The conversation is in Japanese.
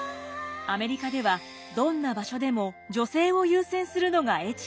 アメリカではどんな場所でも女性を優先するのがエチケット。